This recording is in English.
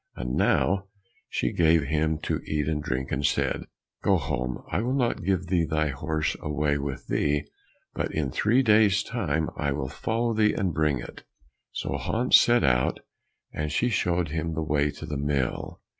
And now she gave him to eat and drink, and said, "Go home, I will not give thee thy horse away with thee; but in three days' time I will follow thee and bring it." So Hans set out, and she showed him the way to the mill.